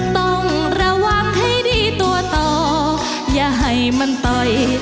ต้องระวังให้ดีตัวต่ออย่าให้มันต่อย